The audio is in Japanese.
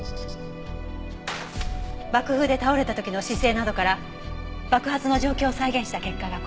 爆風で倒れた時の姿勢などから爆発の状況を再現した結果がこれ。